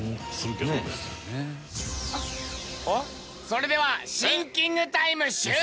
それではシンキングタイム終了！